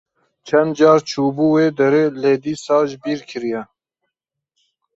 Çend car çûbû wê derê, lê dîsa ji bîr kiriye.